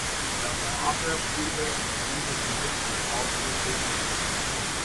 Er war Abwehrspieler und spielte zuletzt beim VfB Oldenburg.